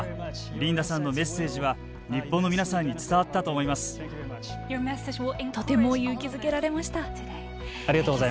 リンダさんのメッセージは日本の皆さんにとても勇気づけられました。